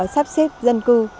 sắp xếp dân cư